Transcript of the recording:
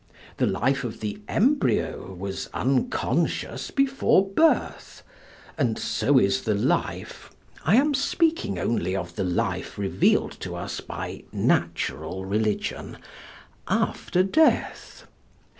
The life of the embryo was unconscious before birth, and so is the life I am speaking only of the life revealed to us by natural religion after death.